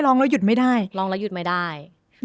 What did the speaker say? ร้องไห้ร้องแล้วหยุดไม่ได้